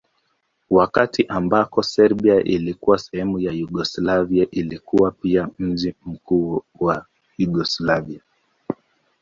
Wakati ambako Serbia ilikuwa sehemu ya Yugoslavia ilikuwa pia mji mkuu wa Yugoslavia.